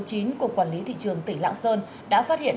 của quản lý thị trường tỉnh lãng sơn đã phát hiện